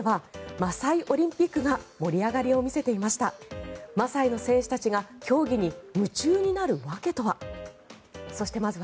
マサイの戦士たちが競技に夢中になる訳とは。